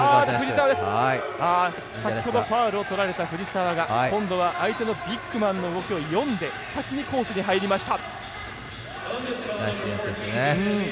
先ほどファウルをとられた藤澤が、今度は相手のビッグマンの動きを読んで先にコースに入りました。